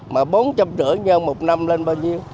mà bốn trăm linh rưỡi nhân một năm lên bao nhiêu